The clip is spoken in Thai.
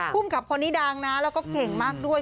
ภูมิกับคนนี้ดังนะแล้วก็เก่งมากด้วย